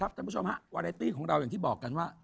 ท่านผู้ชมฮะวาเรตี้ของเราอย่างที่บอกกันว่า